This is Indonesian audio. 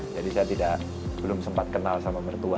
jadi saya tidak belum sempat kenal sama mertua